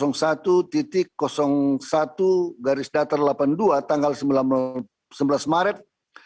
garis datar delapan puluh dua tanggal sembilan belas maret dua ribu satu